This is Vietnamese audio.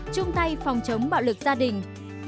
chung tay phòng chống bạo lực gia đình